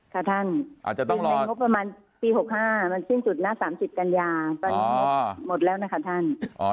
ค่ะท่านปี๖๕มันสิ้นจุดหน้า๓๐กัญญาตอนนี้หมดแล้วนะคะท่าน